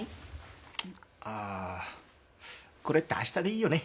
ああこれって明日でいいよね？